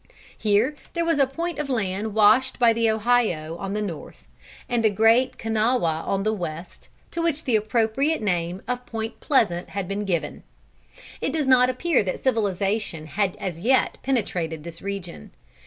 Here there was a point of land washed by the Ohio on the north, and the Great Kanawha on the west, to which the appropriate name of Point Pleasant had been given. It does not appear that civilization had as yet penetrated this region.